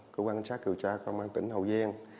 cơ quan cảnh sát điều tra công an tỉnh hậu giang